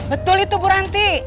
betul itu bu ranti